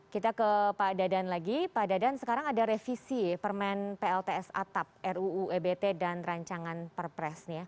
kita ke pak dadan lagi pak dadan sekarang ada revisi permen plts atap ruu ebt dan rancangan perpres